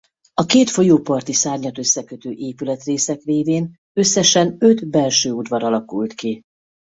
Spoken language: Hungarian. A két folyóparti szárnyat összekötő épületrészek révén összesen öt belső udvar alakult ki.